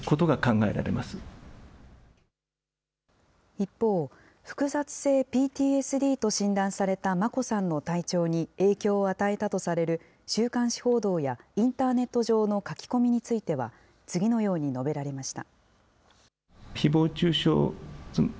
一方、複雑性ＰＴＳＤと診断された眞子さんの体調に影響を与えたとされる、週刊誌報道やインターネット上の書き込みについては、次のように述べられました。